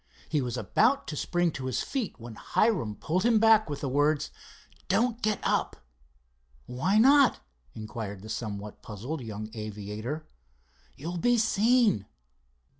He was about to spring to his feet, when Hiram pulled him back with the words: "Don't get up." "Why not?" inquired the somewhat puzzled young aviator. "You'll be seen."